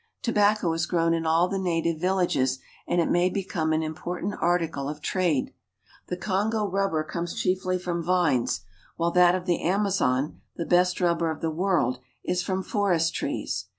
Tobacco is grown in all the native villages, and it may become an important article of trade. The Kongo rubber comes chiefly from vines, while that of the Amazon, the best rubber of the world, is from forest trees.